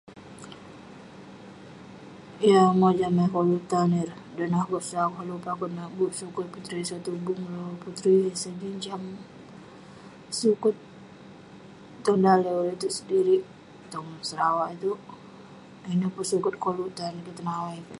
Yeng akouk mojam yah koluk tan ireh. Dan neh akouk sau, koluk peh akouk nat bup suket Puteri Santubong rawah Puteri Sejinjang. Suket tong daleh ulouk itouk sedirik, tong Sarawak itouk. Ineh peh suket koluk tan kek, tenawai kek.